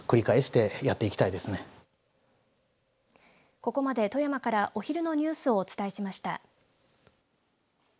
ここまで富山からお昼のニュースをお伝えしました。